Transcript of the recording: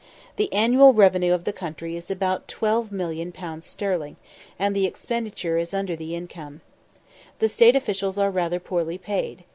The annual revenue of the country is about 12,000,000_l._, and the expenditure is under the income. The state officials are rather poorly paid.